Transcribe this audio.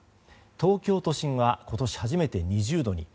東京都心は今年初めて２０度に。